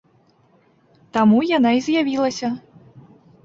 Таму яна і з'явілася.